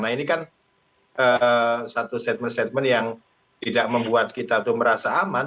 nah ini kan satu statement statement yang tidak membuat kita itu merasa aman